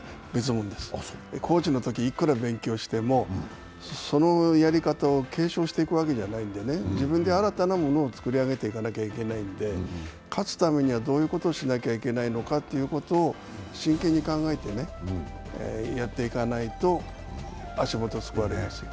コーチのとき、いくら勉強してもそのやり方を継承していくわけじゃないので、自分で新たなものを作り上げていかなきゃいけないので、勝つためにはどういうことをしなくちゃいけないかということを真剣に考えてやっていかないと足元すくわれますよ。